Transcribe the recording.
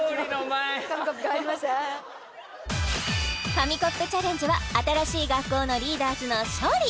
紙コップチャレンジは新しい学校のリーダーズの勝利